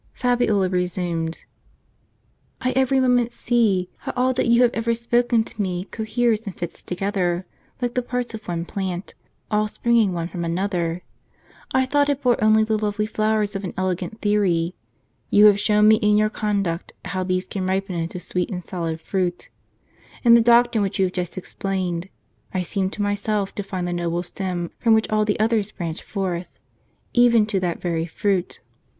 Fabiola resumed: "I every moment see how all that you have ever spoken to me coheres and fits together, like the parts of one plant ; all springing one from another. I thought it bore only the lovely flowers of an elegant theory ; you have shown me in your conduct how these can ripen into sweet and solid fruit. In the doctrine which you have just explained, I seem to myself to find the noble stem from which all the others branch forth — even to that very fruit.